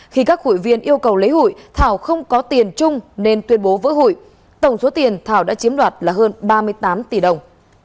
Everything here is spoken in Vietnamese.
khi các hụi viên yêu cầu lễ hội thảo không có tiền chung nên tuyên bố vỡ hụi tổng số tiền thảo đã chiếm đoạt là hơn ba mươi tám tỷ đồng